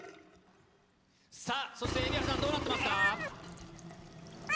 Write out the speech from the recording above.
さあ、そして蛯原さん、どうなってますか。